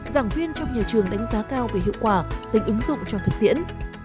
giảng viên trong nhiều trường đánh giá cao về hiệu quả đánh ứng dụng cho thực tiễn